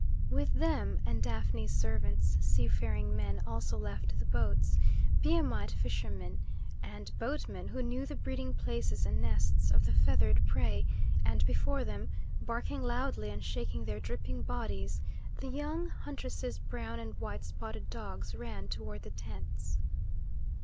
With them and Daphne's servants seafaring men also left the boats Biamite fishermen and boatmen, who knew the breeding places and nests of the feathered prey and before them, barking loudly and shaking their dripping bodies, the young huntress's brown and white spotted dogs ran toward the tents.